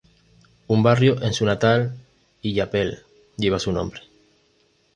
Un barrio en su natal Illapel lleva su nombre.